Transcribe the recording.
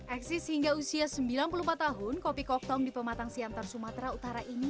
eksis hingga usia sembilan puluh empat tahun kopi koktong di pematang siantar sumatera utara ini